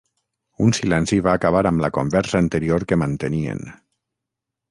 Un silenci va acabar amb la conversa anterior que mantenien.